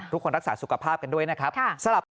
ทุกคนรักษาสุขภาพกันด้วยนะครับ